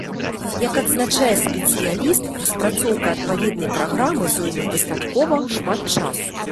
Як адзначае спецыяліст, распрацоўка адпаведнай праграмы зойме дастаткова шмат часу.